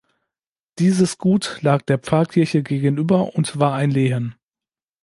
Dieses Gut lag der Pfarrkirche gegenüber und war ein Lehen.